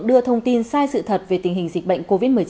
đưa thông tin sai sự thật về tình hình dịch bệnh covid một mươi chín